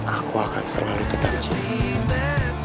aku akan selalu tetap cinta